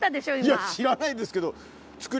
いや知らないですけど。